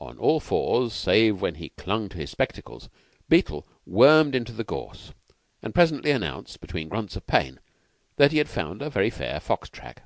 On all fours, save when he clung to his spectacles, Beetle wormed into the gorse, and presently announced between grunts of pain that he had found a very fair fox track.